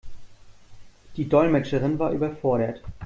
Die Dolmetscherin war überfordert.